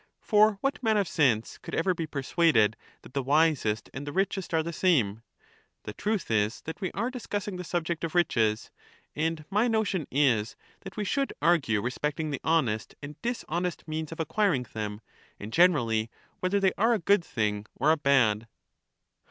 For what man of sense could ever be persuaded that the wisest and the richest are the same? The truth is that we are discussing the subject of riches, and my notion is that we should argue respecting the honest and dishonest means of acquiring them, and, generally, whether they are a good thing or a bad.